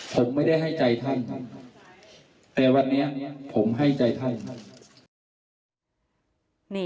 ผมไม่ได้ให้ใจท่านแต่วันนี้ผมให้ใจท่าน